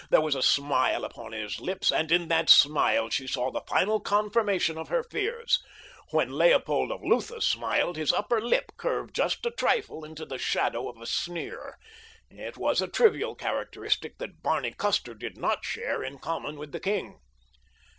There was a smile upon his lips, and in that smile she saw the final confirmation of her fears. When Leopold of Lutha smiled his upper lip curved just a trifle into a shadow of a sneer. It was a trivial characteristic that Barney Custer did not share in common with the king.